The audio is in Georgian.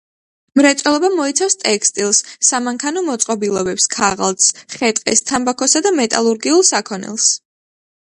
მრეწველობა მოიცავს ტექსტილს, სამანქანო მოწყობილობებს, ქაღალდს, ხე-ტყეს, თამბაქოსა და მეტალურგიულ საქონელს.